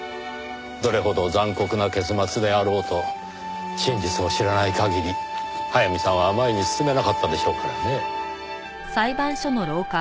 どれほど残酷な結末であろうと真実を知らない限り早見さんは前に進めなかったでしょうからね。